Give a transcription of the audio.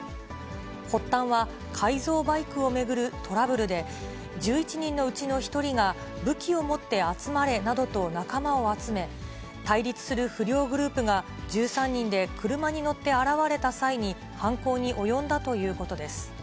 発端は、改造バイクを巡るトラブルで、１１人のうちの１人が武器を持って集まれなどと仲間を集め、対立する不良グループが１３人で車に乗って現れた際に、犯行に及んだということです。